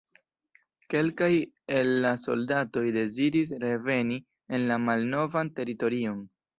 Kelkaj el la soldatoj deziris reveni en la malnovan teritorion.